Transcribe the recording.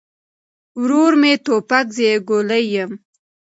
ورور مې توپک، زه يې ګولۍ يم